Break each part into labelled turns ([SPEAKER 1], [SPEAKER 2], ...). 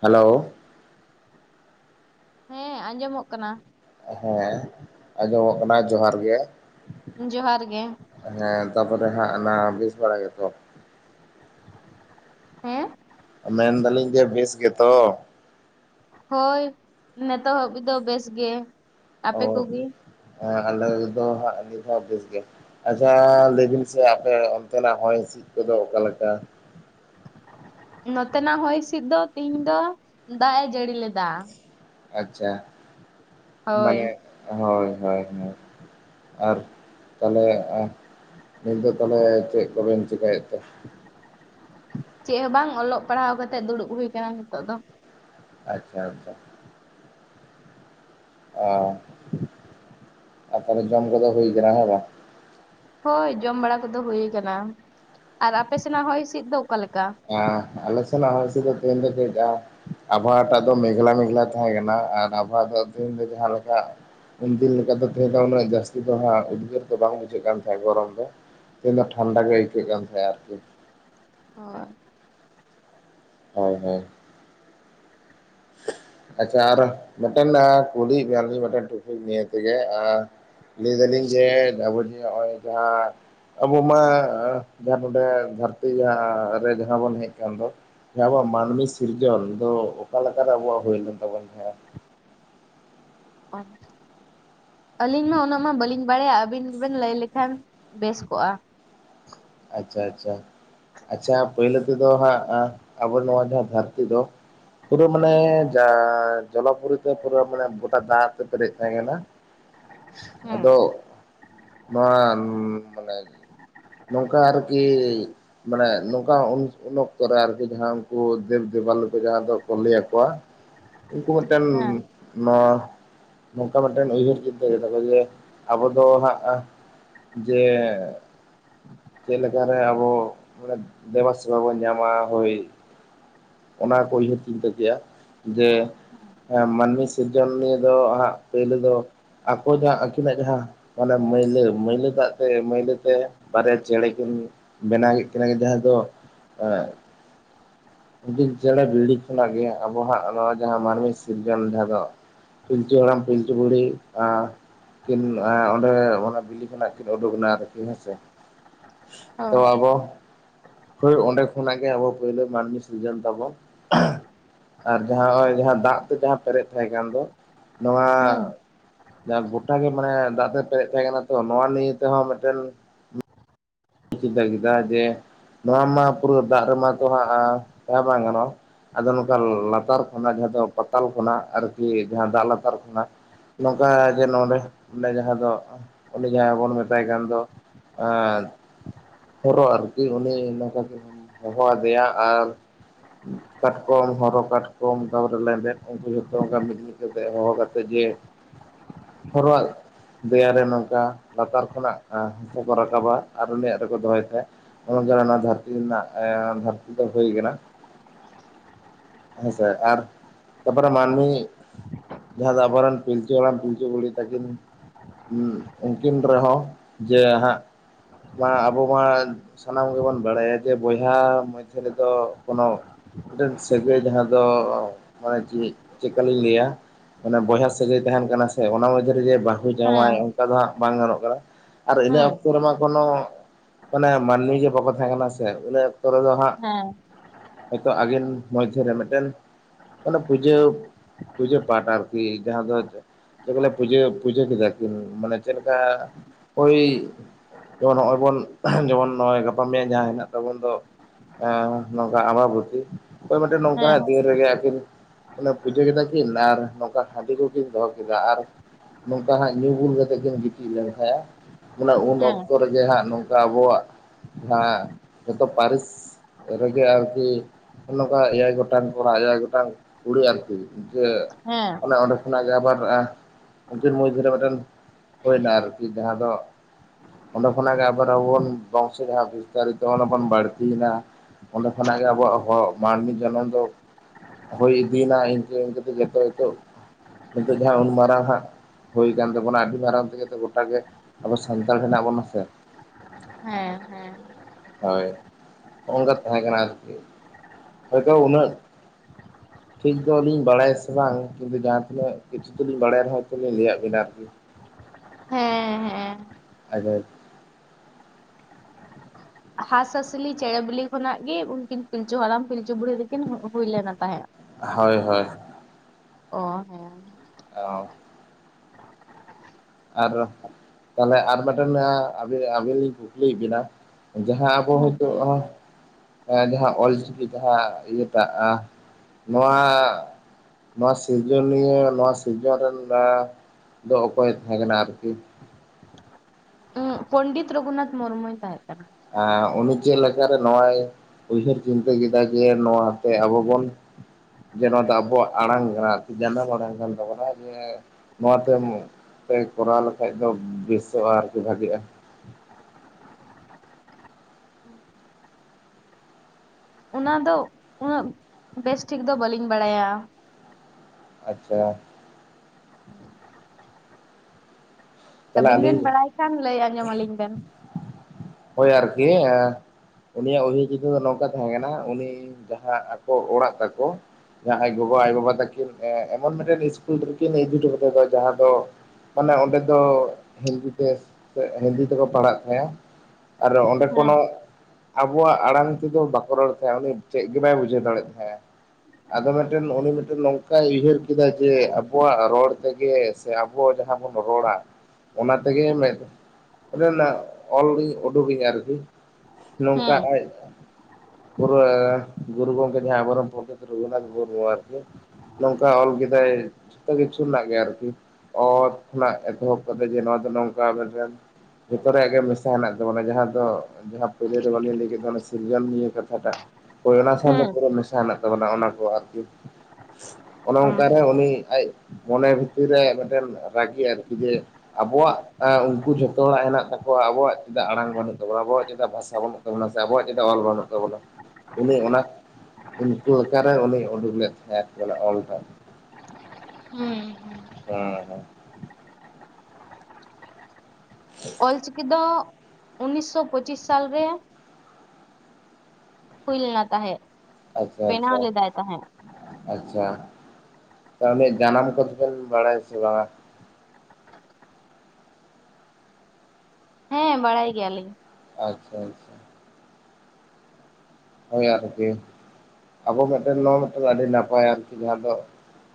[SPEAKER 1] Hello
[SPEAKER 2] ᱦᱮᱸ ᱟᱸᱡᱚᱢᱚᱜ ᱠᱟᱱᱟ
[SPEAKER 1] ᱦᱮᱸ ᱟᱸᱡᱚᱢᱚᱜ ᱠᱟᱱᱟ ᱡᱚᱦᱟᱨ ᱜᱮ
[SPEAKER 2] ᱡᱚᱦᱟᱨ ᱜᱮ
[SPEAKER 1] ᱛᱚᱵᱮᱦᱟᱜ ᱚᱱᱟ ᱵᱮᱥ ᱵᱟᱲᱟ ᱜᱮᱛᱚ?
[SPEAKER 2] ᱦᱮᱸ?
[SPEAKER 1] ᱢᱮᱱᱫᱟᱹᱞᱤᱧ ᱡᱮ ᱵᱮᱥ ᱜᱮᱛᱚ?
[SPEAKER 2] ᱦᱳᱭ ᱱᱮᱛᱚᱜ ᱦᱟᱹᱵᱤᱡ ᱫᱚ ᱵᱮᱥ ᱜᱮ ᱾ ᱟᱯᱮ ᱠᱚᱜᱮ?
[SPEAKER 1] ᱦᱮᱸ ᱟᱞᱮ ᱫᱚ ᱦᱟᱸᱜ ᱱᱤᱛᱦᱚ ᱵᱮᱥ ᱜᱮ, ᱟᱪᱪᱷᱟ ᱞᱟᱹᱭᱵᱤᱱ ᱥᱮ ᱟᱯᱮ ᱚᱱᱛᱮᱱᱟᱜ ᱦᱚᱭ ᱦᱤᱥᱤᱫᱼᱼ ᱠᱚᱫᱚ ᱚᱠᱟ ᱞᱮᱠᱟ?
[SPEAKER 2] ᱱᱚᱛᱮᱱᱟᱜ ᱦᱚᱭ ᱦᱤᱥᱤᱫ ᱫᱚ ᱛᱮᱦᱤᱧ ᱫᱚ ᱫᱟᱜ ᱮ ᱡᱟᱹᱲᱤ ᱞᱮᱫᱟ ᱾
[SPEAKER 1] ᱟᱪᱪᱷᱟ, ᱢᱟᱱᱮ ᱦᱚᱭ ᱦᱚᱭ ᱦᱚᱭᱼᱼ ᱟᱨ ᱛᱟᱦᱞᱮ ᱱᱤᱛ ᱫᱚ ᱛᱟᱦᱞᱮ ᱪᱮᱫ ᱠᱚᱵᱮᱱ ᱪᱤᱠᱟᱹᱭᱮᱫ ᱛᱮ?
[SPEAKER 2] ᱪᱮᱫ ᱦᱚᱸ ᱵᱟᱝ ᱚᱞᱚᱜ ᱯᱟᱲᱦᱟᱣ ᱠᱟᱛᱮᱜ ᱫᱩᱲᱩᱵ ᱦᱩᱭ ᱠᱟᱱᱟ ᱱᱤᱛᱚᱜ ᱫᱚ ᱾
[SPEAKER 1] ᱟᱪᱪᱷᱟ ᱟᱪᱪᱷᱟ ᱚ ᱟᱨ ᱛᱟᱦᱞᱮ ᱡᱚᱢ ᱠᱚᱫᱚ ᱦᱩᱭ ᱠᱟᱱᱟ ᱦᱮᱸ ᱵᱟᱝ?
[SPEAKER 2] ᱦᱳᱭ ᱡᱚᱢ ᱵᱟᱲᱟ ᱠᱚᱫᱚ ᱦᱩᱭ ᱠᱟᱱᱟ, ᱟᱨ ᱟᱯᱮ ᱥᱮᱱᱟᱜ ᱦᱚᱭ ᱦᱤᱥᱤᱫ ᱫᱚ ᱚᱠᱟᱞᱮᱠᱟ
[SPEAKER 1] ᱟᱻ ᱟᱞᱮᱥᱮᱱᱟᱜ ᱦᱚᱭ ᱦᱤᱥᱤᱫ ᱫᱚ ᱛᱮᱦᱮᱧ ᱫᱚ ᱠᱟᱹᱡ ᱟᱻ ᱟᱵᱷᱚᱣᱟᱴᱟᱜ ᱫᱚ ᱢᱮᱜᱞᱟ ᱢᱮᱜᱞᱟ ᱛᱟᱦᱮᱸ ᱠᱟᱱᱟ ᱟᱨ ᱟᱵᱷᱚᱣᱟ ᱫᱚ ᱫᱤᱱ ᱫᱚ ᱡᱟᱦᱟ ᱞᱮᱠᱟ ᱩᱱ ᱫᱤᱱ ᱞᱮᱠᱟ ᱫᱚ ᱛᱮᱦᱮᱧ ᱫᱚ ᱩᱱᱟᱹᱜ ᱡᱟᱹᱥᱛᱤ ᱫᱚ ᱦᱟᱸᱜ ᱩᱫᱽᱜᱟᱹᱨ ᱫᱚ ᱵᱟᱝ ᱵᱩᱡᱷᱟᱹᱜ ᱠᱟᱱ ᱛᱟᱦᱮᱸᱜ ᱜᱚᱨᱚᱢ ᱫᱚ ᱛᱮᱦᱮᱱ ᱫᱚ ᱴᱷᱟᱱᱰᱟ ᱜᱮᱹ ᱟᱹᱭᱠᱟᱹᱜ ᱠᱟᱱᱛᱟᱦᱮᱹᱜ ᱟᱨᱠᱤ
[SPEAKER 2] ᱦᱳᱭ
[SPEAKER 1] ᱦᱚᱭ ᱦᱚᱭ ᱟᱪᱪᱷᱟ ᱟᱨ ᱢᱤᱫᱴᱮᱱ ᱮᱹ ᱠᱩᱞᱤ [unintelligible] ᱴᱚᱯᱤᱠ ᱱᱤᱭᱮ ᱛᱮᱜᱮ ᱟᱻ ᱞᱟᱹᱭ ᱫᱟᱹᱞᱤᱧ ᱡᱮ ᱟᱵᱚ ᱡᱮ ᱱᱚᱜᱚᱭ ᱡᱟᱦᱟᱸ ᱟᱵᱚ ᱢᱟ ᱡᱟᱦᱟᱸ ᱱᱚᱰᱮ ᱫᱷᱟᱹᱨᱛᱤ ᱡᱟᱦᱟᱸ ᱨᱮ ᱡᱟᱦᱟᱸ ᱵᱚᱱ ᱦᱮᱡ ᱠᱟᱱ ᱫᱚ ᱡᱟᱦᱟ ᱟᱵᱚᱣᱟᱜ ᱢᱟᱹᱱᱢᱤ ᱥᱤᱨᱡᱚᱱ ᱫᱚ ᱚᱠᱟ ᱞᱮᱠᱟᱨᱮ ᱟᱵᱚᱣᱟᱜ ᱦᱩᱭ ᱞᱮᱱ ᱛᱟᱵᱚᱱ ᱛᱟᱦᱮᱸᱜ-ᱟ?
[SPEAKER 2] [unintelligible] ᱟᱹᱞᱤᱧ ᱢᱟ ᱩᱱᱟᱹᱜ ᱢᱟ ᱵᱟᱹᱞᱤᱧ ᱵᱟᱲᱟᱭᱟ ᱟᱹᱵᱤᱱ ᱜᱮᱵᱮᱱ ᱞᱟᱹᱭ ᱞᱮᱠᱷᱟᱱ ᱵᱮᱥ ᱠᱚᱜᱼᱟ
[SPEAKER 1] ᱟᱪᱪᱷᱟ ᱟᱪᱪᱷᱟ ᱟᱪᱪᱷᱟ ᱯᱟᱹᱭᱞᱟᱹ ᱛᱮᱫᱚ ᱫᱚ ᱦᱟᱸᱜ ᱟ ᱟᱵᱚ ᱱᱚᱣᱟ ᱡᱟᱸᱦᱟ ᱫᱷᱟᱹᱨᱛᱤ ᱫᱚ ᱯᱩᱨᱟᱹ ᱢᱟᱱᱮ ᱡᱟ ᱡᱚᱞᱟᱯᱩᱨᱤ ᱛᱮ ᱯᱩᱨᱟᱹ ᱢᱟᱱᱮ ᱜᱚᱴᱟ ᱫᱟᱜ ᱛᱮ ᱯᱮᱨᱮᱡ ᱛᱟᱦᱮᱸ ᱠᱟᱱᱟ
[SPEAKER 2] ᱦᱮᱸ
[SPEAKER 1] ᱟᱫᱚ ᱱᱚᱣᱟ ᱢᱟᱱᱮ ᱱᱚᱝᱠᱟ ᱟᱨᱠᱤ ᱢᱟᱱᱮ ᱱᱚᱝᱠᱟ ᱩᱱ ᱚᱠᱛᱚ ᱨᱮ ᱟᱨᱠᱤ ᱡᱟᱦᱟᱸ ᱩᱱᱠᱩ ᱫᱮᱵᱼ ᱫᱮᱵᱟᱞᱳ ᱠᱚ ᱡᱟᱦᱟᱸ ᱫᱚ [unintelligible] ᱞᱟᱹᱭᱟ ᱠᱚᱣᱟ ᱩᱱᱠᱩ ᱢᱤᱫᱴᱮᱱ
[SPEAKER 2] ᱦᱮᱸ
[SPEAKER 1] ᱱᱚᱣᱟ ᱱᱚᱝᱠᱟ ᱢᱤᱫᱴᱮᱱ ᱩᱭᱦᱟᱹᱨ ᱪᱤᱱᱛᱟᱹ ᱦᱮᱡᱱᱟᱠᱚ ᱡᱮ ᱟᱵᱚ ᱫᱚ ᱦᱟᱸᱜᱼᱟ ᱡᱮ ᱪᱮᱫ ᱞᱮᱠᱟᱨᱮ ᱟᱵᱚ ᱢᱟᱱᱮ ᱫᱮᱵᱟᱥᱮᱵᱟ ᱵᱚᱱ ᱧᱟᱢᱟ ᱦᱳᱭ ᱚᱱᱟ ᱠᱚ ᱩᱭᱦᱟᱹᱨ ᱪᱤᱱᱛᱟᱹ ᱠᱮᱜ-ᱟ ᱡᱮ ᱦᱮᱸ ᱢᱟᱹᱱᱢᱤ ᱥᱤᱨᱡᱚᱱ ᱱᱤᱭᱟᱹ ᱫᱚ ᱦᱟᱸᱜ ᱯᱳᱭᱞᱳ ᱫᱚ ᱟᱠᱚ ᱫᱚ ᱦᱟᱜ ᱟᱹᱠᱤᱱᱟᱜ ᱡᱟᱦᱟᱸ ᱚᱱᱮ ᱢᱟᱹᱭᱞᱟᱹ ᱢᱟᱹᱭᱞᱟᱹ ᱫᱟᱜ ᱛᱮ ᱢᱟᱹᱭᱞᱟᱹᱛᱮ ᱵᱟᱨᱭᱟ ᱪᱮᱬᱮ ᱠᱤᱱ ᱵᱮᱱᱟᱣ ᱠᱮᱫ ᱠᱤᱱᱟᱹ ᱡᱟᱦᱟᱸ ᱫᱚ ᱮᱜ ᱩᱫᱩᱜ ᱪᱮᱬᱮ ᱵᱤᱲᱤ ᱠᱷᱚᱱᱟᱜ ᱜᱮ ᱟᱵᱚᱣᱟᱜ ᱱᱚᱣᱟ ᱡᱟᱦᱟᱸ ᱢᱟᱹᱱᱢᱤ ᱥᱤᱨᱡᱚᱱ ᱡᱟᱦᱟ ᱫᱚ ᱯᱤᱞᱪᱩ ᱦᱟᱲᱟᱢ ᱯᱤᱞᱪᱩ ᱵᱩᱲᱦᱤ ᱟᱨ ᱠᱤᱱ ᱮ ᱚᱸᱰᱮ ᱚᱱᱟ ᱵᱤᱞᱤ ᱠᱷᱚᱱᱟᱜ ᱠᱤᱱ ᱩᱰᱩᱠ ᱟᱨᱠᱤ ᱦᱮᱥᱮ ᱛᱚ
[SPEAKER 2] ᱦᱳᱭ
[SPEAKER 1] ᱟᱵᱚ ᱦᱳᱭ ᱚᱸᱰᱮ ᱠᱷᱚᱱ ᱜᱮ ᱟᱵᱚ ᱯᱳᱭᱞᱳ ᱢᱟᱹᱱᱢᱤ ᱥᱤᱨᱡᱚᱱ ᱛᱟᱵᱚ ᱟᱜᱻ ᱟᱨ ᱡᱟᱦᱟ ᱱᱚᱜᱼᱚᱭ ᱡᱟᱦᱟ ᱫᱟᱜ ᱛᱮ ᱡᱟᱦᱟ ᱯᱮᱨᱮᱡ ᱛᱟᱦᱮ ᱠᱟᱱ ᱫᱚ ᱱᱚᱣᱟ
[SPEAKER 2] ᱦᱮᱸ
[SPEAKER 1] ᱜᱚᱴᱟᱜᱮ ᱢᱟᱱᱮ ᱫᱟᱜ ᱛᱮ ᱯᱮᱨᱮᱡ ᱛᱟᱦᱮᱸ ᱠᱟᱱᱟ ᱛᱚ ᱱᱚᱣᱟ ᱱᱤᱭᱮ ᱛᱮᱦᱚᱸ ᱢᱤᱫᱴᱮᱱ ᱤᱧ ᱪᱤᱱᱛᱟᱹ ᱠᱮᱫᱟ ᱡᱮ ᱱᱚᱣᱟ ᱢᱟ ᱯᱩᱨᱟᱹ ᱫᱟᱜ ᱨᱮᱢᱟ ᱛᱚ ᱦᱟᱜ ᱛᱟᱦᱮ ᱵᱟᱝ ᱜᱟᱱᱚᱜᱼᱟ ᱟᱫᱚ ᱱᱚᱝᱠᱟ ᱞᱟᱛᱟᱨ ᱠᱷᱚᱱᱟᱜ ᱡᱟᱦᱟᱸ ᱫᱚ ᱯᱟᱛᱟᱞ ᱠᱷᱚᱱᱟᱜ ᱟᱨᱠᱤ ᱡᱟᱦᱟᱸ ᱫᱟᱜ ᱞᱟᱛᱟᱨ ᱠᱷᱚᱱᱟᱜ ᱱᱚᱝᱠᱟ ᱡᱮ ᱱᱚᱰᱮ ᱱᱚᱰᱮ ᱡᱟᱦᱟᱸ ᱫᱚ ᱩᱱᱤ ᱡᱟᱦᱟᱸ ᱵᱚᱱ ᱢᱮᱛᱟᱭ ᱠᱟᱱ ᱫᱚ ᱮᱫ ᱦᱚᱨᱚ ᱟᱨᱠᱤ ᱩᱱᱤ ᱱᱟᱠᱟ ᱠᱚ ᱦᱚᱦᱚ ᱟᱫᱮᱭᱟ ᱟᱨ ᱠᱟᱴᱠᱚᱢ ᱦᱚᱨᱚ ᱠᱟᱴᱠᱚᱢ ᱛᱟᱨᱯᱚᱨᱮ ᱞᱮᱰᱮᱫ ᱩᱱᱠᱩ ᱡᱷᱚᱛᱚ ᱚᱱᱠᱟ ᱢᱤᱫ ᱢᱤᱫ ᱠᱟᱛᱮ ᱦᱚᱦᱚ ᱠᱟᱛᱮᱫ ᱜᱮ ᱦᱚᱨᱚᱣᱟᱜ ᱫᱮᱭᱟ ᱨᱮ ᱱᱚᱝᱠᱟ ᱞᱟᱛᱟᱨ ᱠᱷᱚᱱᱟᱜ ᱮ ᱦᱟᱥᱟ ᱠᱚ ᱨᱟᱠᱟᱵᱟ ᱟᱨ ᱩᱱᱤᱭᱟᱜ ᱨᱮᱠᱚ ᱫᱚᱦᱚᱭ ᱛᱟᱦᱮ ᱩᱱ ᱡᱚᱦᱳᱜ ᱱᱚᱣᱟ ᱫᱷᱟᱹᱨᱛᱤ ᱨᱮᱱᱟᱜ ᱫᱷᱟᱹᱨᱛᱤ ᱫᱚ ᱦᱩᱭ ᱠᱟᱱᱟ ᱦᱮᱥᱮ ᱟᱨ ᱛᱟᱯᱚᱨᱮ ᱢᱟᱹᱱᱢᱤ ᱡᱟᱦᱟ ᱫᱚ ᱟᱵᱳᱨᱮᱱ ᱯᱤᱞᱪᱩ ᱦᱟᱲᱟᱢ ᱯᱤᱞᱪᱩ ᱵᱩᱲᱦᱤ ᱛᱟᱠᱤᱱᱼᱼ ᱩᱱᱠᱤᱱ ᱨᱮᱦᱚᱸ ᱡᱮ ᱦᱟᱸᱜ ᱢᱟ ᱟᱵᱚ ᱢᱟ ᱥᱟᱱᱟᱢ ᱠᱚᱜᱮ ᱵᱚᱱ ᱵᱟᱲᱟᱭᱟ ᱡᱮ ᱵᱚᱭᱦᱟ ᱢᱚᱫᱽᱫᱷᱮ ᱨᱮᱫᱚ ᱠᱳᱱᱳ ᱢᱤᱫᱴᱮᱱ ᱥᱟᱹᱜᱟᱹᱭ ᱡᱟᱦᱟᱸ ᱫᱚ ᱢᱟᱱᱮ ᱪᱮᱫ ᱪᱮᱫᱠᱟᱞᱤᱧ ᱞᱟᱹᱭᱟ ᱚᱱᱮ ᱵᱚᱭᱦᱟ ᱥᱟᱹᱜᱟᱹᱭ ᱛᱟᱦᱮᱱ ᱠᱟᱱᱟ ᱥᱮ ᱚᱱᱟ ᱢᱚᱫᱽᱫᱷᱮ ᱨᱮᱜᱮ ᱵᱟ. ᱦᱩ ᱡᱟᱶᱟᱭ
[SPEAKER 2] ᱦᱮᱸ
[SPEAKER 1] ᱚᱱᱠᱟ ᱫᱚ ᱦᱟᱸᱜ ᱵᱟᱝ ᱜᱟᱱᱚᱜ ᱠᱟᱱᱟ ᱟᱨ ᱤᱱᱟᱹ
[SPEAKER 2] ᱦᱮᱸ
[SPEAKER 1] ᱚᱠᱛᱚ ᱨᱮᱢᱟ ᱠᱳᱱᱳ ᱚᱱᱮ ᱢᱟᱹᱱᱢᱤ ᱜᱮ ᱵᱟᱠᱚ ᱛᱟᱦᱮᱸ ᱠᱟᱱᱟ ᱥᱮ ᱤᱱᱟᱹ ᱚᱠᱛᱚ ᱨᱮᱫᱚ ᱦᱟᱸᱜ
[SPEAKER 2] ᱦᱮᱸ
[SPEAKER 1] ᱦᱚᱭᱛᱳ ᱟᱜᱮᱱ ᱢᱚᱫᱽᱫᱷᱮᱨᱮ ᱢᱤᱫᱴᱮᱱ ᱢᱟᱱᱮ ᱯᱩᱡᱟᱹ ᱯᱩᱡᱟᱹ ᱯᱟᱴ ᱟᱨᱠᱤ ᱡᱟᱦᱟᱸ ᱫᱚ ᱼᱼ ᱪᱮᱫ ᱠᱚ ᱢᱮᱱᱟ ᱯᱩᱡᱟᱹ ᱯᱩᱡᱟᱹ ᱠᱮᱫᱟ ᱠᱤᱱ ᱢᱟᱱᱮ ᱪᱮᱫᱞᱮᱠᱟ ᱳᱭ ᱡᱮᱢᱚᱱ ᱦᱚᱜᱚᱭ ᱚᱱ ᱡᱮᱢᱚᱱ ᱱᱚᱜᱼᱚᱭ ᱜᱟᱯᱟ ᱢᱮᱭᱟᱝ ᱡᱟᱦᱟᱸ ᱦᱮᱱᱟᱜ ᱛᱟᱵᱚᱱ ᱫᱚ ᱱᱚᱝᱠᱟ ᱟᱢᱵᱟᱵᱚᱛᱤ ᱛᱚ ᱢᱤᱫᱴᱮᱱ
[SPEAKER 2] ᱦᱮᱸ
[SPEAKER 1] ᱱᱚᱝᱠᱟᱱᱟᱜ ᱫᱤᱱ ᱨᱮᱜᱮ ᱟᱹᱠᱤᱱ ᱚᱱᱮ ᱯᱩᱡᱟᱹ ᱠᱮᱫᱟ ᱠᱤᱱ ᱟᱨ ᱱᱚᱠᱟ ᱦᱟᱺᱰᱤ ᱠᱚᱠᱤᱱ ᱫᱚᱦᱚ ᱠᱮᱫᱟ ᱟᱨ ᱱᱚᱝᱠᱟ ᱦᱟᱸᱜ ᱧᱩ ᱵᱩᱞ ᱠᱟᱛᱮᱜ ᱠᱤᱱ ᱜᱤᱛᱤᱡ ᱞᱮᱱᱛᱟᱭᱟ ᱚᱱᱟ ᱩᱱ
[SPEAKER 2] ᱦᱮᱸ
[SPEAKER 1] ᱚᱠᱛᱚ ᱨᱮᱜᱮ ᱦᱟᱸᱜ ᱱᱚᱝᱠᱟ ᱟᱵᱚᱣᱟᱜ ᱡᱟᱦᱟᱸ ᱡᱚᱛᱚ ᱯᱟᱹᱨᱤᱥ ᱨᱮᱜᱮ ᱟᱨᱠᱤ ᱱᱚᱝᱠᱟ ᱮᱭᱟᱭ ᱜᱚᱴᱟᱝ ᱠᱚᱲᱟ ᱮᱭᱟᱭ ᱜᱚᱴᱟᱝ ᱠᱩᱲᱤ ᱟᱨᱠᱤ ᱡᱮ
[SPEAKER 2] ᱦᱮᱸ
[SPEAKER 1] ᱚᱱᱮ ᱚᱸᱰᱮ ᱠᱷᱚᱱᱟᱜ ᱜᱮ ᱟᱵᱟᱨ [unintelligible] ᱩᱱᱠᱤᱱ ᱢᱚᱫᱽᱫᱷᱮ ᱢᱤᱫᱴᱟᱝ ᱦᱩᱭᱱᱟ ᱟᱨᱠᱤ ᱡᱟᱦᱟᱸ ᱫᱚ ᱚᱸᱰᱮ ᱠᱷᱚᱱᱟᱜ ᱜᱮ ᱟᱵᱟᱨ ᱟᱵᱚᱵᱚᱱ ᱵᱚᱝᱥᱚ ᱡᱟᱦᱟ ᱵᱤᱥᱛᱟᱨᱤᱛᱚ ᱚᱱᱟ ᱵᱚᱱ ᱵᱟᱹᱲᱛᱤᱭ ᱱᱟ ᱚᱱᱰᱮ ᱠᱷᱚᱱᱟᱜ ᱜᱮ ᱟᱵᱚᱣᱟᱜ ᱦᱚᱜ ᱢᱟᱹᱱᱢᱤ ᱡᱚᱱᱚᱢ ᱫᱚ ᱦᱩᱭ ᱤᱫᱤᱭᱮᱱᱟ ᱤᱱᱠᱟᱹ ᱤᱱᱠᱟᱹᱛᱮ ᱡᱚᱛᱚ ᱱᱤᱛᱚᱜ ᱱᱤᱛᱚᱜ ᱡᱟᱦᱟᱸ ᱩᱱ ᱢᱟᱨᱟᱝ ᱦᱟᱸᱜ ᱦᱩᱭ ᱠᱟᱱ ᱛᱟᱵᱳᱱᱟ ᱟᱹᱰᱤ ᱢᱟᱨᱟᱝ ᱛᱮᱜᱮ ᱜᱚᱴᱟᱜᱮ ᱟᱵᱚ ᱥᱟᱱᱛᱟᱲ ᱦᱮᱱᱟᱜ ᱵᱚᱱᱟ ᱥᱮ
[SPEAKER 2] ᱦᱮᱸ ᱦᱮᱸ
[SPEAKER 1] ᱦᱳᱭ ᱦᱚᱜ ᱚ ᱱᱚᱝᱠᱟ ᱛᱟᱦᱮᱸ ᱠᱟᱱᱟ ᱟᱨᱠᱤ ᱦᱳᱭᱛᱚ ᱩᱱᱟᱹᱜ ᱴᱷᱤᱠ ᱫᱚ ᱞᱤᱧ ᱵᱟᱲᱟᱭᱟ ᱥᱮ ᱵᱟᱝ ᱠᱤᱱᱛᱩ ᱡᱟᱦᱟᱸ ᱛᱤᱱᱟᱹᱜ ᱠᱤᱪᱷᱩ ᱫᱚᱞᱤᱧ ᱵᱟᱲᱟᱭᱟ ᱨᱮᱦᱚ ᱛᱚ ᱞᱤᱧ ᱞᱟᱹᱭ ᱟᱫ ᱵᱤᱱᱟ ᱟᱨᱠᱤ [unintelligible]
[SPEAKER 2] ᱦᱮᱸ ᱦᱮᱸ
[SPEAKER 1] ᱟᱫᱚ
[SPEAKER 2] ᱦᱟᱥᱼᱦᱟᱸᱥᱞᱤ ᱪᱮᱬᱮ ᱵᱤᱞᱤ ᱠᱷᱚᱱᱟᱜ ᱜᱮ ᱩᱱᱠᱤᱱ ᱯᱤᱞᱪᱩ ᱦᱟᱲᱟᱢ ᱯᱤᱞᱪᱩ ᱵᱩᱲᱦᱤ ᱫᱩᱠᱤᱱ ᱦᱩᱭ ᱞᱮᱱᱟ ᱛᱟᱦᱮᱸᱫ
[SPEAKER 1] ᱦᱳᱭ ᱦᱳᱭ
[SPEAKER 2] ᱚ
[SPEAKER 1] ᱚ ᱟᱨ ᱛᱟᱦᱞᱮ ᱟᱨ ᱢᱤᱫᱴᱮᱱ ᱟᱹᱵᱤᱱ ᱟᱹᱵᱤᱱ ᱞᱤᱧ ᱠᱩᱠᱞᱤᱭᱮᱫ ᱵᱤᱱᱟ ᱡᱟᱦᱟᱸ ᱟᱵᱚ ᱦᱚᱭᱛᱳ
[SPEAKER 2] ᱦᱮᱸ
[SPEAKER 1] ᱚ ᱡᱟᱦᱟᱸ ᱚᱞᱪᱤᱠᱤ ᱡᱟᱦᱟᱸ ᱤᱭᱟᱹᱴᱟᱜ ᱱᱚᱣᱟ ᱱᱚᱣᱟ ᱥᱤᱡᱚᱱᱤᱭᱟᱹ ᱱᱚᱣᱟ ᱥᱤᱡᱚᱱ ᱨᱮᱱ ᱜᱟ ᱫᱚ ᱚᱠᱚᱭ ᱛᱟᱦᱮ ᱠᱟᱱᱟ ᱟᱨᱠᱤ
[SPEAKER 2] ᱯᱚᱱᱰᱤᱛ ᱨᱚᱜᱷᱩᱱᱟᱛᱷ ᱢᱩᱨᱢᱩᱭ ᱛᱟᱦᱮᱜ ᱠᱟᱱᱟ
[SPEAKER 1] ᱮ ᱩᱱᱤ ᱪᱮᱫ ᱞᱮᱠᱟᱨᱮ ᱱᱚᱣᱟᱭ ᱩᱭᱦᱟᱹᱨ ᱪᱤᱱᱛᱟᱹ ᱠᱮᱫᱟ ᱡᱮ ᱱᱚᱣᱟ ᱟᱯᱮ ᱟᱵᱚ ᱵᱚᱱ ᱡᱮ ᱱᱚᱣᱟ ᱫᱚ ᱟᱵᱚᱣᱟᱜ ᱟᱲᱟᱝ ᱠᱟᱱᱟ ᱡᱟᱱᱟᱢ ᱟᱲᱟᱝ ᱠᱟᱱ ᱛᱟᱵᱚᱱᱟ ᱡᱮ ᱱᱚᱣᱟᱛᱮ ᱛᱮ ᱠᱚᱨᱟᱣ ᱞᱮᱠᱷᱟᱡ ᱫᱚ ᱵᱮᱥᱚᱜᱼᱟ ᱟᱨᱠᱤ ᱵᱷᱟᱜᱮᱜᱼᱟ
[SPEAKER 2] ᱚᱱᱟ ᱫᱚ ᱩᱱᱟᱹᱜ ᱵᱮᱥ ᱴᱷᱤᱠ ᱫᱚ ᱵᱟᱹᱞᱤᱧ ᱵᱟᱲᱟᱭᱟ
[SPEAKER 1] ᱟᱪᱪᱷᱟ ᱛᱟᱦᱚᱞᱮ
[SPEAKER 2] ᱟᱹᱵᱤᱱ ᱵᱤᱱ
[SPEAKER 1] ᱟᱹᱞᱤᱧ
[SPEAKER 2] ᱵᱟᱲᱟᱭ ᱠᱷᱟᱱ ᱞᱟᱹᱭ ᱟᱸᱡᱚᱢ ᱟᱹᱞᱤᱧ ᱵᱮᱱ
[SPEAKER 1] ᱦᱳᱭ ᱟᱨᱠᱤ ᱮᱼᱼ ᱩᱱᱤᱭᱟᱜ ᱩᱭᱦᱟᱹᱨ ᱪᱤᱱᱛᱟᱹ ᱫᱚ ᱱᱚᱝᱠᱟ ᱛᱟᱦᱮ ᱠᱟᱱᱟ ᱩᱱᱤ ᱡᱟᱸᱦᱟ ᱟᱠᱚ ᱚᱲᱟᱜ ᱛᱟᱠᱚ ᱡᱟᱦᱟᱸ ᱟᱡ ᱜᱚᱜᱚ ᱟᱭᱳ ᱵᱟᱵᱟ ᱛᱟᱹᱠᱤᱱ ᱮᱢᱚᱱ ᱢᱤᱫᱴᱮᱱ ᱥᱠᱩᱞ ᱨᱮᱠᱤᱱ ᱢᱟᱱᱮ ᱚᱸᱰᱮ ᱫᱚ ᱦᱤᱱᱫᱤ ᱛᱮ ᱦᱤᱱᱫᱤ ᱛᱮᱠᱚ ᱯᱟᱲᱦᱟᱜ ᱛᱟᱦᱮᱸᱜᱼᱟ ᱟᱨᱚ ᱚᱸᱰᱮ
[SPEAKER 2] ᱦᱮᱸ
[SPEAKER 1] ᱠᱳᱱᱳ ᱟᱵᱚᱣᱟᱜ ᱟᱲᱟᱝ ᱛᱮᱫᱚ ᱵᱟᱠᱚ ᱨᱚᱲᱮᱫ ᱛᱟᱦᱮᱸᱜ ᱩᱱᱤ ᱪᱮᱫ ᱜᱮ ᱵᱟᱭ ᱵᱩᱡᱷᱟᱹᱣ ᱫᱟᱲᱮᱭᱟᱜ ᱛᱟᱦᱮᱸᱜᱼᱟ ᱟᱫᱚ ᱢᱤᱫᱴᱮᱱ ᱩᱱᱤ ᱢᱤᱫᱴᱮᱱ ᱱᱚᱝᱠᱟᱭ ᱩᱭᱦᱟᱹᱨ ᱠᱮᱫᱟ ᱡᱮ ᱟᱵᱚᱣᱟᱜ ᱨᱚᱲ ᱛᱮᱜᱮ ᱥᱮ ᱟᱵᱚ ᱡᱟᱦᱟ ᱵᱚᱱ ᱨᱚᱲᱟ ᱚᱱᱟ ᱛᱮᱜᱮ ᱢᱮᱫ ᱨᱮᱱᱟᱜ ᱚᱞ ᱤᱧ ᱩᱰᱩᱠ ᱤᱧ ᱟᱨᱠᱤ ᱱᱚᱝᱠᱟ ᱟᱡ
[SPEAKER 2] ᱦᱮᱸ
[SPEAKER 1] ᱯᱩᱨᱟᱹ ᱜᱩᱨᱩ ᱜᱚᱝᱠᱮ ᱡᱟᱦᱟᱸ ᱟᱵᱚᱨᱮᱱ ᱯᱚᱱᱰᱤᱛ ᱨᱚᱜᱷᱩᱱᱟᱛᱷ ᱢᱩᱨᱢᱩ ᱟᱨᱠᱤ ᱱᱚᱝᱠᱟ ᱚᱞ ᱠᱮᱫᱟᱭ ᱡᱚᱛᱚ ᱠᱤᱪᱷᱩ ᱨᱮᱱᱟᱜ ᱜᱮ ᱟᱨᱠᱤ ᱚᱛ ᱠᱷᱚᱱᱟᱜ ᱮᱛᱚᱦᱚᱵ ᱛᱚᱵᱮ ᱡᱮ ᱱᱚᱣᱟ ᱫᱚ ᱱᱚᱝᱠᱟ ᱢᱮᱱᱠᱷᱟᱱ ᱡᱷᱚᱛᱚ ᱨᱮᱭᱟᱜ ᱜᱮ ᱢᱮᱥᱟ ᱦᱮᱱᱟᱜ ᱛᱟᱵᱚᱱᱟ ᱡᱟᱦᱟᱸ ᱫᱚ ᱡᱟᱦᱟᱸ ᱯᱳᱭᱞᱳ ᱨᱮ ᱵᱟᱹᱞᱤᱧ ᱞᱟᱹᱭ ᱠᱮᱫᱟ ᱥᱤᱨᱜᱹᱞ ᱱᱤᱭᱹ ᱠᱟᱛᱷᱟᱴᱟᱜ ᱦᱳᱭ ᱚᱱᱟ ᱥᱟᱶ ᱫᱚ ᱯᱩᱨᱟᱹ ᱢᱮᱥᱟ ᱦᱮᱱᱟᱜ ᱛᱟᱵᱚᱱᱟ ᱚᱱᱟ ᱠᱚ ᱟᱨᱠᱤ ᱚᱱᱮ
[SPEAKER 2] ᱦᱮᱸ
[SPEAKER 1] ᱚᱱᱠᱟᱨᱮ ᱩᱱᱤ ᱟᱡ ᱢᱚᱱᱮ ᱵᱷᱤᱛᱤᱨ ᱨᱮ ᱢᱤᱫᱴᱮᱱ ᱨᱟᱹᱜᱤ ᱟᱨᱠᱤ ᱡᱮ ᱟᱵᱚᱣᱟᱜ ᱩᱱᱠᱩ ᱡᱷᱚᱛᱚ ᱦᱚᱲᱟᱜ ᱦᱮᱱᱟᱜ ᱛᱟᱠᱚᱣᱟ ᱟᱵᱚᱣᱟᱜ ᱪᱮᱫᱟᱜ ᱟᱲᱟᱝ ᱵᱟᱹᱱᱩᱜ ᱛᱟᱵᱚᱱᱟ ᱟᱵᱚᱣᱟᱜ ᱪᱮᱫᱟᱜ ᱵᱷᱟᱥᱟ ᱵᱟᱹᱱᱩᱜ ᱛᱟᱵᱩᱱᱟ ᱥᱮ ᱟᱵᱚᱣᱟᱜ ᱪᱮᱫᱟᱜ ᱚᱞ ᱵᱟᱹᱱᱩᱜ ᱛᱟᱵᱚᱱᱟ ᱩᱱᱤ ᱚᱱᱟ ᱩᱱᱠᱩ ᱟᱠᱟᱨᱮ ᱩᱱᱤ ᱩᱰᱩᱠ ᱞᱮᱫ ᱛᱟᱸᱦᱮᱜ ᱚᱱᱟ ᱚᱞ ᱴᱟᱜ ᱦᱩᱸ ᱦᱩᱸ
[SPEAKER 2] ᱚᱞᱪᱤᱠᱤ ᱫᱚ ᱩᱱᱤᱥᱥᱚ ᱯᱚᱸᱪᱤᱥ ᱥᱟᱞᱨᱮ ᱦᱩᱭ ᱞᱮᱱᱟ ᱛᱟᱸᱦᱮᱫ
[SPEAKER 1] ᱟᱪᱪᱷᱟ
[SPEAKER 2] ᱵᱮᱱᱟᱣ
[SPEAKER 1] ᱟᱪᱪᱷᱟ
[SPEAKER 2] ᱞᱮᱫᱟᱭ ᱛᱟᱸᱦᱮᱫ
[SPEAKER 1] ᱟᱪᱪᱷᱟ ᱩᱱᱤᱭ ᱡᱟᱱᱟᱢ ᱠᱚᱫᱚᱵᱮᱱ ᱵᱟᱲᱟᱭᱟ ᱥᱮ ᱵᱟᱝᱼᱟ [unintelligible]
[SPEAKER 2] ᱦᱮᱸ ᱵᱟᱲᱟᱭ ᱜᱮᱭᱟᱞᱤᱧ
[SPEAKER 1] ᱟᱪᱪᱷᱟ ᱟᱪᱪᱷᱟ ᱦᱳᱭ ᱟᱨᱠᱤ ᱟᱵᱚ ᱢᱤᱫᱴᱮᱱ ᱱᱚᱣᱟ ᱢᱤᱫᱴᱮᱱ ᱟᱹᱰᱤ ᱱᱟᱯᱟᱭᱟ ᱟᱨᱠᱤ ᱡᱟᱸᱦᱟ ᱫᱚ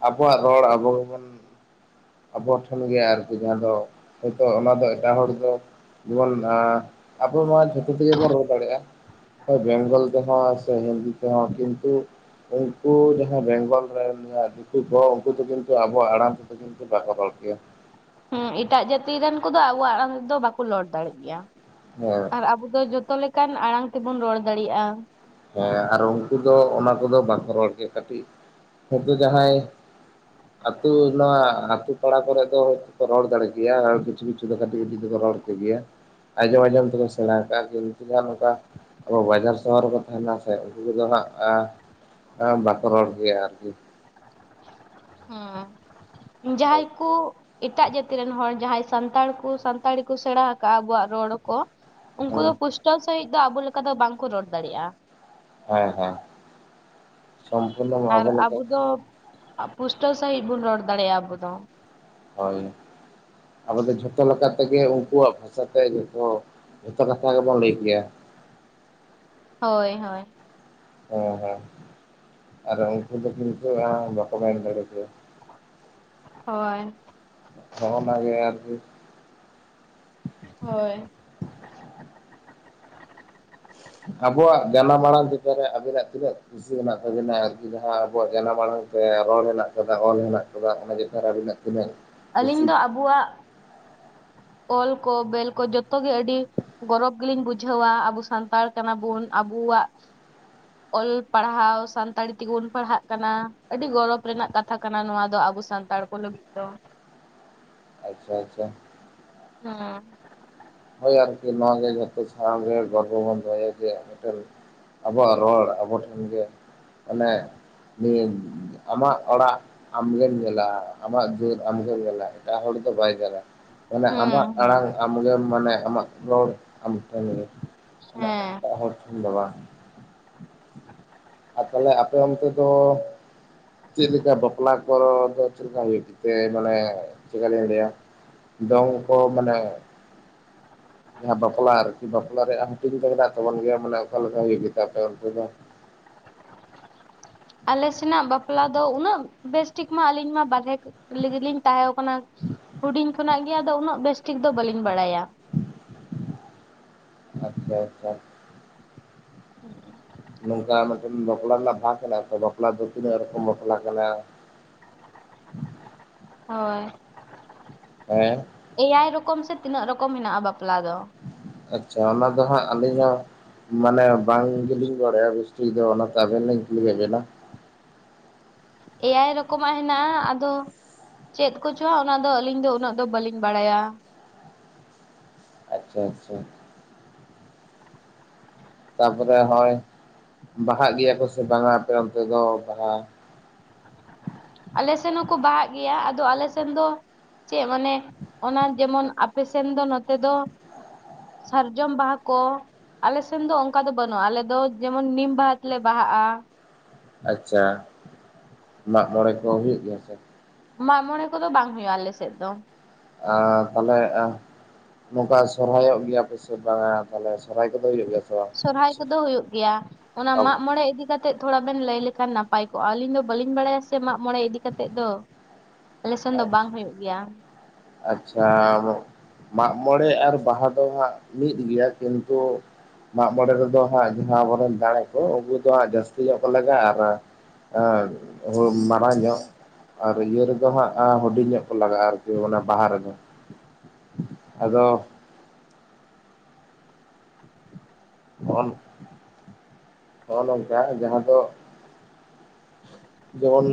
[SPEAKER 1] ᱟᱵᱚᱣᱟᱜ ᱨᱚᱲ ᱟᱵᱚ ᱜᱮᱵᱚᱱ ᱟᱵᱚ ᱴᱷᱮᱱᱜᱮ ᱟᱨᱠᱤ ᱡᱟᱦᱟᱸ ᱫᱚ ᱦᱚᱭᱛᱚ ᱚᱱᱟ ᱫᱚ ᱮᱴᱟᱜ ᱦᱚᱲ ᱫᱚ ᱡᱮᱢᱚᱱ ᱟᱵᱚ ᱱᱚᱣᱟ ᱡᱷᱚᱛᱚ ᱛᱮᱜᱮ ᱵᱚᱱ ᱨᱚᱲ ᱫᱟᱲᱮᱭᱟᱜᱼᱟ ᱵᱮᱝᱜᱚᱞ ᱥᱮ ᱦᱤᱱᱫᱤ ᱛᱮ ᱦᱚᱸ ᱠᱤᱱᱛᱩ ᱩᱱᱠᱩ ᱡᱟᱦᱟᱸᱭ ᱵᱮᱝᱜᱚᱞ ᱨᱮᱱ ᱫᱤᱠᱩ ᱠᱚ ᱩᱱᱠᱩ ᱫᱚ ᱠᱤᱱᱛᱩ ᱟᱵᱚᱣᱟᱜ ᱟᱲᱟᱝ ᱛᱮᱫᱚ ᱠᱤᱱᱛᱩ ᱵᱟᱠᱚ ᱨᱚᱲ ᱠᱮᱭᱟ [unintelligible]
[SPEAKER 2] ᱦᱮᱸ ᱮᱴᱟᱜ ᱡᱟᱹᱛᱤ ᱨᱮᱱ ᱠᱚᱫᱚ ᱟᱵᱚᱣᱟᱜ ᱟᱲᱟᱝ ᱨᱮᱫᱚ ᱵᱟᱠᱚ ᱨᱚᱲ ᱫᱟᱲᱮᱜ ᱜᱮᱭᱟ
[SPEAKER 1] ᱦᱮᱸ
[SPEAKER 2] ᱟᱨ ᱟᱵᱚ ᱫᱚ ᱡᱚᱛᱚ ᱞᱮᱠᱟᱱ ᱟᱲᱟᱝ ᱛᱮᱵᱚᱱ ᱨᱚᱲ ᱫᱟᱲᱤᱭᱟᱜᱼᱟ
[SPEAKER 1] ᱦᱮᱸ ᱟᱨ ᱩᱱᱠᱩ ᱫᱚ ᱚᱱᱟ ᱠᱚᱫᱚ ᱵᱟᱝᱠᱚ ᱨᱚᱲ ᱠᱮ ᱠᱟᱹᱴᱤᱡ ᱦᱚᱭᱛᱳ ᱡᱟᱸᱦᱟᱭ ᱟᱹᱛᱩ ᱱᱚᱣᱟ ᱟᱹᱛᱩ ᱯᱟᱲᱟ ᱠᱚᱨᱮ ᱫᱚ ᱨᱚᱲ ᱫᱟᱲᱮ ᱜᱮᱭᱟ ᱟᱨ ᱠᱤᱪᱷᱩ ᱠᱤᱪᱷᱩ ᱫᱚ ᱠᱟᱹᱴᱤᱡ ᱠᱟᱹᱴᱤᱡ ᱫᱚᱠᱚ ᱨᱚᱲ ᱠᱮᱜᱮᱭᱟ ᱟᱸᱡᱚᱢ ᱟᱸᱡᱚᱢ ᱛᱮᱠᱮ ᱥᱮᱬᱟ ᱟᱠᱟᱟᱜᱼᱟ [unintelligible] ᱱᱚᱝᱠᱟ ᱟᱵᱚ ᱵᱟᱡᱟᱨ ᱥᱚᱦᱚᱨ ᱛᱟᱦᱮᱱᱟ ᱥᱮ ᱩᱱᱠᱩ ᱠᱚᱫᱚ ᱦᱟᱸᱜ ᱵᱟᱠᱚ ᱨᱚᱲ ᱜᱮᱭᱟ ᱟᱨᱠᱤ [inaudible]
[SPEAKER 2] ᱡᱟᱦᱟᱸᱭ ᱠᱩ ᱮᱴᱟᱜ ᱡᱟᱹᱛᱤ ᱨᱮᱱ ᱦᱚᱲ ᱡᱟᱦᱟᱸᱭ ᱥᱟᱱᱛᱟᱲ ᱠᱚ ᱥᱟᱱᱛᱟᱲᱤ ᱠᱚ ᱥᱮᱬᱟ ᱟᱠᱟᱜᱼᱟ ᱟᱵᱚᱣᱟᱜ ᱨᱚᱲ ᱠᱚ ᱩᱱᱠᱩ ᱫᱚ
[SPEAKER 1] ᱦᱮᱸ
[SPEAKER 2] ᱯᱩᱥᱴᱟᱹᱣ ᱥᱟᱹᱦᱤᱡ ᱫᱚ ᱟᱵᱚ ᱞᱮᱠᱟ ᱫᱚ ᱵᱟᱝᱠᱚ ᱨᱚᱲ ᱫᱟᱲᱮᱭᱟᱜᱼᱟ
[SPEAKER 1] ᱦᱮᱸ ᱦᱮᱸ ᱥᱚᱢᱯᱩᱨᱱᱚ ᱟᱵᱚ ᱞᱮᱠᱟ
[SPEAKER 2] ᱯᱩᱥᱴᱟᱹ ᱥᱟᱺᱦᱤᱡ ᱵᱚᱱ ᱨᱚᱲ ᱫᱟᱲᱮᱭᱟᱜᱼᱟ ᱟᱵᱚ ᱫᱚ
[SPEAKER 1] ᱦᱳᱭ, ᱟᱵᱚ ᱫᱚ ᱡᱷᱚᱛᱚ ᱞᱮᱠᱟ ᱛᱮᱜᱮ ᱩᱱᱠᱩᱣᱟᱜ ᱵᱷᱟᱥᱟᱛᱮ ᱡᱚᱛᱚ ᱡᱚᱛᱚ ᱠᱟᱛᱷᱟ ᱜᱮᱵᱚᱱ ᱞᱟᱹᱭ ᱠᱮᱭᱟ
[SPEAKER 2] ᱦᱳᱭ ᱦᱳᱭ
[SPEAKER 1] ᱦᱮᱸ ᱦᱮᱸ ᱟᱨ ᱩᱱᱠᱩᱫᱚ ᱠᱤᱱᱛᱩ ᱟᱨ ᱵᱟᱠᱚ ᱢᱮᱱ ᱫᱟᱲᱮ ᱠᱚᱣᱟ
[SPEAKER 2] ᱦᱳᱭ
[SPEAKER 1] ᱦᱚᱸᱚᱱᱟᱜᱮ ᱟᱨᱠᱤ
[SPEAKER 2] ᱦᱳᱭ
[SPEAKER 1] ᱟᱵᱚᱣᱟᱜ ᱡᱟᱱᱟᱢ ᱟᱲᱟᱝ ᱪᱮᱛᱟᱱ ᱨᱮ ᱟᱵᱤᱱᱟᱜ ᱛᱤᱱᱟᱹᱜ ᱠᱩᱥᱤ ᱢᱮᱱᱟᱜ ᱛᱟᱵᱤᱱᱟ ᱟᱨᱠᱤ ᱡᱟᱦᱟᱸ ᱟᱵᱚᱣᱟᱜ ᱡᱟᱱᱟᱢ ᱟᱲᱟᱝ ᱨᱚᱲ ᱦᱮᱱᱟᱜ ᱟᱠᱟᱫᱟ ᱚᱞ ᱦᱮᱱᱟᱜ ᱟᱠᱟᱫᱟ ᱚᱱᱟ ᱪᱮᱛᱟᱱ ᱨᱮ ᱟᱹᱵᱤᱱᱟᱜ
[SPEAKER 2] ᱟᱞᱤᱧ ᱫᱚ ᱟᱵᱚᱣᱟᱜ ᱚᱞ ᱠᱚ ᱵᱮᱞ ᱠᱚ ᱡᱚᱛᱚᱜ ᱜᱮ ᱟᱹᱰᱤ ᱜᱚᱨᱚᱵᱽ ᱜᱮᱞᱤᱧ ᱵᱩᱡᱷᱟᱹᱣᱟ ᱟᱵᱚ ᱥᱟᱱᱛᱟᱲ ᱠᱟᱱᱟ ᱵᱚᱱ ᱟᱵᱚ ᱵᱩᱣᱟᱜ ᱚᱞ ᱯᱟᱲᱦᱟᱣ ᱥᱟᱱᱛᱟᱲᱤ ᱛᱮᱜᱮᱵᱚᱱ ᱯᱟᱲᱦᱟᱜ ᱠᱟᱱᱟ ᱟᱹᱰᱤ ᱜᱚᱨᱚᱵᱽ ᱨᱮᱱᱟᱜ ᱠᱟᱛᱷᱟ ᱠᱟᱱᱟ ᱱᱚᱣᱟ ᱫᱚ ᱟᱵᱚ ᱟᱵᱚ ᱥᱟᱱᱛᱟᱲ ᱠᱚ ᱞᱟᱹᱜᱤᱫ ᱫᱚ
[SPEAKER 1] ᱟᱪᱪᱷᱟ ᱟᱪᱪᱷᱟ ᱾
[SPEAKER 2] ᱦᱩᱸ
[SPEAKER 1] ᱦᱳᱭ ᱟᱨᱠᱤ ᱱᱚᱣᱟᱣᱟᱜᱮ ᱡᱚᱛᱚ ᱥᱟᱱᱟᱢ ᱜᱮ ᱜᱚᱨᱵᱚ ᱵᱚᱱ ᱫᱚᱦᱚᱭᱟ ᱡᱮ ᱢᱤᱴᱟᱺᱜ ᱟᱵᱚᱣᱟᱜ ᱨᱚᱲ ᱟᱵᱚᱴᱷᱮᱱᱜᱮ ᱢᱟᱱᱮ ᱱᱤᱭᱟᱹ ᱟᱢᱟᱜ ᱚᱲᱟᱜ ᱟᱢᱜᱮᱢ ᱧᱮᱞᱟ ᱟᱢᱟᱜ ᱡᱟᱹᱛ ᱟᱢᱜᱮᱢ ᱧᱮᱞᱟ ᱮᱴᱟᱜ ᱦᱚᱲ ᱫᱚ ᱵᱟᱭ ᱧᱮᱞᱟ ᱢᱟᱱᱮ ᱟᱢᱟᱜ
[SPEAKER 2] ᱦᱩᱸ ᱦᱩᱸ
[SPEAKER 1] ᱟᱲᱟᱝ ᱟᱢᱜᱮᱢ ᱢᱟᱱᱮ ᱟᱢᱟᱜ ᱨᱚᱲ ᱟᱢ ᱴᱷᱮᱱ ᱜᱮ᱾ ᱚᱱᱟ
[SPEAKER 2] ᱦᱮᱸ
[SPEAKER 1] ᱮᱴᱟᱜ ᱦᱚᱲ ᱴᱷᱮᱱ ᱫᱚ ᱵᱟᱝ᱾ ᱟᱨ ᱛᱟᱦᱞᱮ ᱟᱯᱮ ᱚᱱᱛᱮ ᱫᱚ ᱪᱮᱫ ᱞᱮᱠᱟ ᱵᱟᱯᱞᱟ ᱠᱚ ᱫᱚ ᱪᱮᱫ ᱞᱮᱠᱟ ᱦᱩᱭᱩᱜ ᱜᱮᱛᱮ ᱢᱟᱱᱮ ᱪᱮᱫᱠᱟᱞᱤᱧ ᱞᱟᱹᱭᱟ ᱫᱚᱝ ᱠᱚ ᱢᱟᱱᱮ ᱡᱟᱦᱟᱸ ᱵᱟᱯᱞᱟ ᱟᱨᱠᱤ ᱵᱟᱯᱞᱟ ᱨᱮᱭᱟᱜ ᱦᱟᱹᱴᱤᱧ ᱫᱚ ᱢᱮᱱᱟᱜ ᱛᱟᱵᱚᱱ ᱜᱮᱭᱟ ᱢᱟᱱᱮ ᱚᱠᱟ ᱞᱮᱠᱟ ᱦᱩᱭᱩᱜ ᱜᱮ ᱛᱟᱯᱮᱭᱟ ᱚᱱᱛᱮ ᱫᱚ᱾ [inaudible]
[SPEAKER 2] ᱟᱞᱮ ᱥᱮᱱᱟᱜ ᱵᱟᱯᱞᱟ ᱫᱚ ᱩᱱᱟᱹᱜ ᱵᱮᱥᱴᱷᱤᱠ ᱢᱟ ᱟᱹᱞᱤᱧ ᱢᱟ ᱵᱟᱦᱨᱮ ᱞᱮᱜᱮ ᱞᱤᱧ ᱛᱟᱦᱮᱸᱣ ᱠᱟᱱᱟ᱾ ᱦᱩᱰᱤᱧ ᱠᱷᱚᱱᱟᱜ ᱜᱮ ᱟᱫᱚ ᱩᱱᱟᱹᱜ ᱵᱮᱥᱴᱷᱤᱠ ᱫᱚ ᱵᱟᱹᱞᱤᱧ ᱵᱟᱲᱟᱭᱟ᱾
[SPEAKER 1] ᱟᱪᱪᱷᱟ ᱟᱪᱪᱷᱟ
[SPEAKER 2] [unintelligible]
[SPEAKER 1] ᱱᱚᱝᱠᱟ ᱢᱤᱫᱴᱮᱱ ᱵᱟᱯᱞᱟ ᱨᱮᱱᱟᱜ ᱵᱷᱟᱜᱽ ᱢᱮᱱᱟᱜ-ᱟ ᱵᱟᱯᱞᱟ ᱫᱚ ᱛᱤᱱᱟᱹᱜ ᱨᱚᱠᱚᱢ ᱵᱟᱯᱞᱟ ᱠᱟᱱᱟ᱾
[SPEAKER 2] ᱦᱳᱭ
[SPEAKER 1] ᱦᱮᱸ
[SPEAKER 2] ᱮᱭᱟᱭ ᱨᱚᱠᱚᱢ ᱥᱮ ᱛᱤᱱᱟᱹᱜ ᱨᱚᱠᱚᱢ ᱦᱮᱱᱟᱜ-ᱟ ᱵᱟᱯᱞᱟ ᱫᱚ
[SPEAKER 1] ᱟᱪᱪᱷᱟ ᱚᱱᱟ ᱫᱚ ᱦᱟᱸᱜ ᱟᱞᱤᱧ ᱦᱚᱸ ᱢᱟᱱᱮ ᱵᱟᱝ ᱜᱮᱞᱤᱧ ᱵᱟᱰᱟᱭᱟ ᱵᱮᱥᱴᱷᱤᱠ ᱫᱚ ᱚᱱᱟᱛᱮ ᱟᱵᱮᱱ ᱞᱤᱧ ᱠᱩᱞᱤ ᱠᱮᱫ ᱵᱤᱱᱟ᱾
[SPEAKER 2] ᱮᱭᱟᱭ ᱨᱚᱠᱚᱢᱟᱜ ᱦᱮᱱᱟᱜᱼᱟ ᱟᱫᱚ ᱪᱮᱫ ᱠᱚᱪᱚ ᱚᱱᱟᱫᱚ ᱟᱹᱞᱤᱧ ᱫᱚ ᱩᱱᱟᱹᱜ ᱫᱚ ᱵᱟᱹᱞᱤᱧ ᱵᱟᱲᱟᱭᱟ᱾
[SPEAKER 1] [inaudible] ᱟᱪᱪᱷᱟ ᱛᱟᱨᱯᱚᱨᱮ ᱦᱚᱭ ᱵᱟᱦᱟᱜ ᱜᱮᱭᱟ ᱠᱚ ᱥᱮ ᱵᱟᱝᱟ ᱟᱯᱮ ᱚᱱᱛᱮ ᱫᱚ ᱵᱟᱦᱟ [inaudible]
[SPEAKER 2] ᱠᱚ ᱵᱟᱦᱟᱜ ᱜᱮᱭᱟ ᱟᱫᱚ ᱟᱞᱮ ᱥᱮᱱ ᱫᱚ ᱪᱮᱫ ᱢᱟᱱᱮ ᱚᱱᱟ ᱡᱮᱢᱚᱱ ᱟᱯᱮ ᱥᱮᱱ ᱫᱚ ᱱᱚᱛᱮ ᱫᱚ ᱥᱟᱨᱡᱚᱢ ᱵᱟᱦᱟ ᱠᱚ ᱟᱞᱮ ᱥᱮᱱ ᱫᱚ ᱚᱱᱠᱟ ᱫᱚ ᱵᱟᱹᱱᱩᱜᱼᱟ ᱟᱞᱮ ᱫᱚ ᱡᱮᱢᱚᱱ ᱱᱤᱢ ᱵᱟᱦᱟ ᱛᱮᱞᱮ ᱵᱟᱦᱟᱜᱼᱟ
[SPEAKER 1] ᱟᱪᱪᱷᱟ ᱢᱟᱜᱢᱚᱬᱮ ᱠᱚ ᱦᱩᱭᱩᱜ ᱜᱮᱭᱟ ᱥᱮ
[SPEAKER 2] ᱢᱟᱜ ᱢᱚᱬᱮ ᱠᱚᱫᱚ ᱵᱟᱝ ᱦᱩᱭᱩᱜᱼᱟ ᱟᱞᱮ ᱥᱮᱫ ᱫᱚ
[SPEAKER 1] ᱟᱨ ᱛᱟᱦᱞᱮ ᱟ ᱱᱚᱝᱠᱟ ᱥᱚᱨᱦᱟᱭᱚᱜ ᱜᱮᱭᱟ ᱯᱮᱥᱮ ᱵᱟᱝᱟ ᱛᱟᱦᱞᱮ ᱥᱚᱨᱦᱟᱭ ᱠᱚᱫᱚ ᱦᱩᱭᱩᱜ ᱜᱮᱭᱟ
[SPEAKER 2] ᱥᱚᱨᱦᱟᱭ
[SPEAKER 1] ᱥᱮ
[SPEAKER 2] ᱠᱚᱫᱚ ᱦᱩᱭᱩᱜ ᱜᱮᱭᱟ ᱚᱱᱟ
[SPEAKER 1] ᱵᱟᱝ?
[SPEAKER 2] ᱢᱟᱜ ᱢᱚᱬᱮ ᱤᱫᱤᱠᱟ ᱠᱟᱛᱮᱜ ᱛᱷᱚᱲᱟ ᱵᱮᱱ ᱞᱟᱹᱭ ᱞᱮᱠᱷᱟᱱ ᱱᱟᱯᱟᱭ ᱠᱚᱜ ᱟᱹᱞᱤᱧ ᱫᱚ ᱵᱟᱹᱞᱤᱧ ᱵᱟᱲᱟᱭᱟ ᱥᱮ ᱢᱟᱜ ᱢᱚᱬᱮ ᱤᱫᱤ ᱠᱟᱛᱮᱮᱫ ᱫᱚ ᱟᱞᱮ ᱥᱮᱱ ᱫᱚ ᱵᱟᱝ ᱦᱩᱭᱩᱜ ᱜᱮᱭᱟ
[SPEAKER 1] ᱟᱪᱪᱷᱟ ᱢᱟᱜ ᱢᱚᱬᱮ ᱟᱨ ᱵᱟᱦᱟ ᱫᱚ ᱦᱟᱸᱜ ᱢᱤᱫ ᱜᱮᱭᱟ ᱠᱤᱱᱛᱩ ᱢᱟᱜ ᱢᱚᱬᱮ ᱨᱮᱫᱚ ᱦᱟᱸᱜ ᱡᱟᱦᱟᱸ ᱟᱵᱚᱨᱮᱱ ᱫᱟᱲᱮ ᱠᱚ ᱩᱱᱠᱩ ᱫᱚᱟᱸ ᱡᱟᱹᱥᱛᱤ ᱧᱚᱜ ᱠᱚ ᱞᱟᱜᱟᱜᱼᱟ ᱟᱨ ᱮ ᱢᱟᱨᱟᱝ ᱧᱚᱜ ᱟᱨ ᱤᱭᱟᱹ ᱨᱮᱫᱚ ᱦᱟᱸᱜ ᱦᱩᱰᱤᱧ ᱧᱚᱜ ᱠᱚ ᱞᱟᱜᱟᱜᱼᱟ ᱟᱨᱠᱤ ᱚᱱᱟ ᱵᱟᱦᱟ ᱨᱮᱫᱚ ᱟᱫᱚ [unintelligible] [inaudible] ᱱᱚᱝᱠᱟ ᱡᱟᱦᱟᱸ ᱫᱚ ᱡᱮᱢᱚᱱ